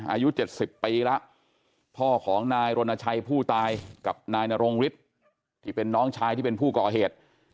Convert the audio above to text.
อายุ๗๐ปีแล้วพ่อของนายรณชัยผู้ตายกับนายนรงฤทธิ์ที่เป็นน้องชายที่เป็นผู้ก่อเหตุ